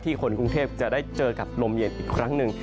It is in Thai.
คนกรุงเทพจะได้เจอกับลมเย็นอีกครั้งหนึ่ง